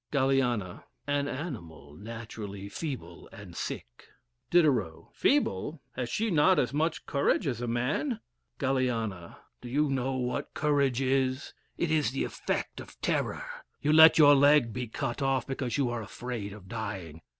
Galiana. An animal naturally feeble and sick. Diderot. Feeble? Has she not as much courage as man? Galiana. Do you know what courage is? It is the effect of terror. You let your leg be cut off, because you are afraid of dying.